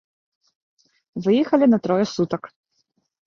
Выехалі на трое сутак.